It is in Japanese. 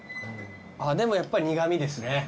あっでもやっぱり苦味ですね。